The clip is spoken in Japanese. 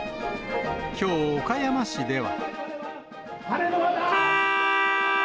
きょう、岡山市では。